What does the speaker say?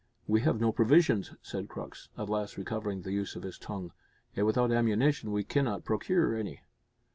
"We have no provisions," said Crux, at last recovering the use of his tongue; "and without ammunition we cannot procure any."